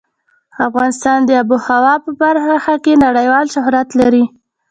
افغانستان د آب وهوا په برخه کې نړیوال شهرت لري.